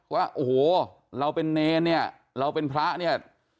ว่าโอ้โหเราเป็นเนรเนี่ยเราเป็นพระเนี่ย